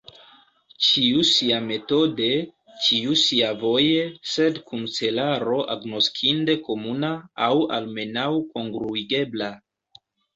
Ĉiu siametode, ĉiu siavoje, sed kun celaro agnoskinde komuna, aŭ almenaŭ kongruigebla.